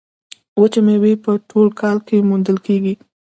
وچې میوې په ټول کال کې موندل کیږي.